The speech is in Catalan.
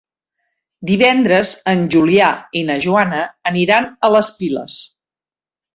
Divendres en Julià i na Joana aniran a les Piles.